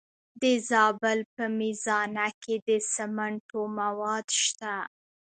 د زابل په میزانه کې د سمنټو مواد شته.